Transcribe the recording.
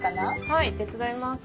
はい手伝います。